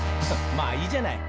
「まあいいじゃない」